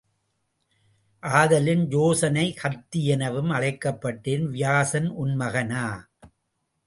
ஆதலின் யோசன கந்தி எனவும் அழைக்கப்பட்டேன். வியாசன் உன் மகனா?